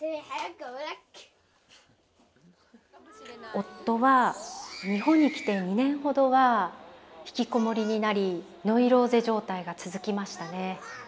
夫は日本に来て２年ほどは引きこもりになりノイローゼ状態が続きましたね。